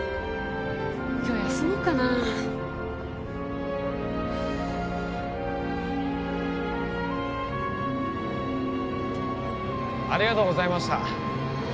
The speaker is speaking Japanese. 今日休もうかなありがとうございました